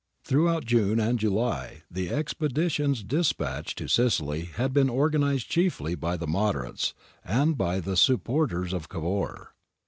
Throughout June and July the expeditions despatched to Sicily had been organised chiefly by the moderates and by the sup porters of Cavour.